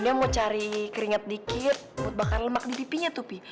dia mau cari keringat dikit buat bakar lemak di pipinya tuh pi